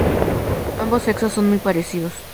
Ambos sexos son muy parecidos.